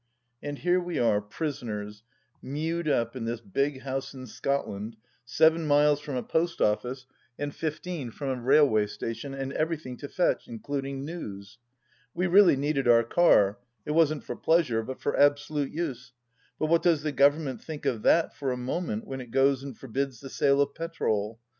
And here we are, prisoners, mewed up in this big house in Scotland, seven miles from a post office and fifteen from a railway station, and everything to fetch, including news. We really needed our car — it wasn't for pleasure, but for absolute use — but does the Government think of that for a moment, when it goes and forbids the sale of petrol